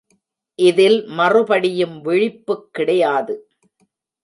இதில் மறுபடியும் விழிப்புக் கிடையாது.